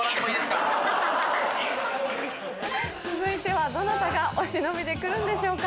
続いてはどなたがお忍びで来るんでしょうか。